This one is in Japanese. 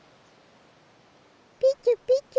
ピチュピチュ。